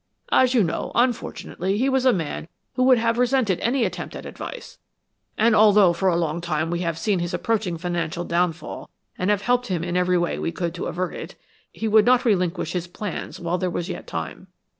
As you know, unfortunately, he was a man who would have resented any attempt at advice, and although for a long time we have seen his approaching financial downfall, and have helped him in every way we could to avert it, he would not relinquish his plans while there was yet time.